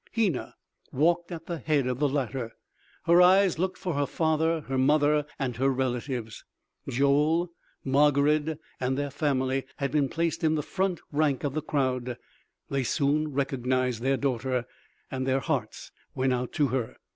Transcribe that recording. Hena walked at the head of the latter. Her eyes looked for her father, her mother and her relatives Joel, Margarid and their family had been placed in the front rank of the crowd they soon recognized their daughter; their hearts went out to her.